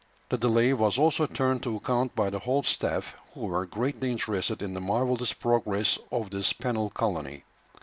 The delay was also turned to account by the whole staff, who were greatly interested in the marvellous progress of this penal colony.